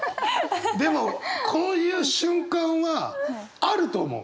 でもこういう瞬間はあると思う。